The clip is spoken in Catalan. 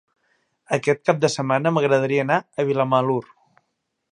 Aquest cap de setmana m'agradaria anar a Vilamalur.